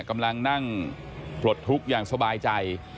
กำลังนั่งปลดทุกข์อย่างสบายใจ